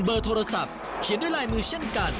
โทรศัพท์เขียนด้วยลายมือเช่นกัน